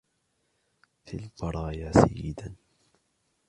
في البرايا سيدا